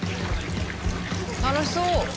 楽しそう！